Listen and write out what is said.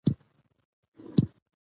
او په مازديګر کې به نايله اوبو ته تله